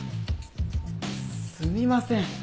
すみません